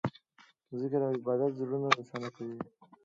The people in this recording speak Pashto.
ذکر او عبادت زړونه روښانه کوي.